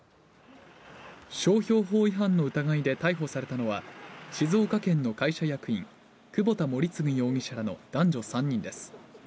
商標法違反の疑いで逮捕されたのは、静岡県の会社役員、久保田盛嗣容疑者らの男女３人です。